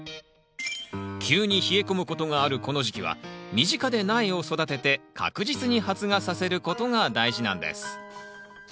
急に冷え込むことがあるこの時期は身近で苗を育てて確実に発芽させることが大事なんです。